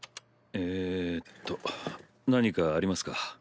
えっと何かありますか？